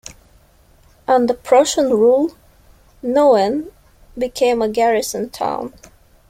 Under Prussian rule, Nauen became a garrison town.